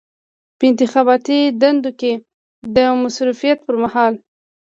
په انتخاباتي دندو کې د مصروفیت پر مهال.